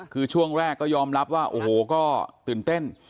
คือช่วงแรกก็ยอมรับว่าโอ้โหก็ตื่นเต้น